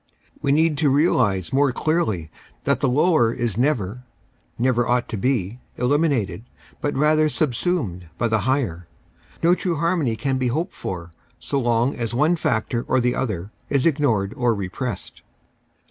We need to realise more clearly that the lower is never — ought never to be — eliminated but rather subsumed by the higher. No true harmony can be hoped for so long as one factor or the other is ignored or repressed.